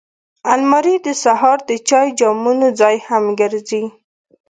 الماري د سهار د چای جامونو ځای هم ګرځي